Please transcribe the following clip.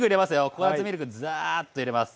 ココナツミルクザーッと入れます。